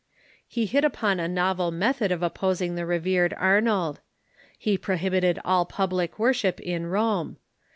He hit upon a novel method of opposing the revered Arnold. He prohib ited all public worship in Rome.